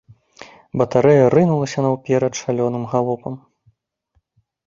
Батарэя рынулася наўперад шалёным галопам.